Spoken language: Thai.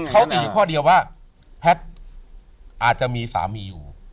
เขาติดอยู่ข้อเดียวว่าแพทย์อาจจะมีสามีอยู่